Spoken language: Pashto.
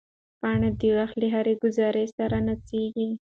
پاڼه د وخت له هر ګوزار سره نڅېږي.